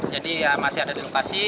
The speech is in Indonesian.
masih ada di lokasi